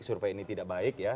survei ini tidak baik ya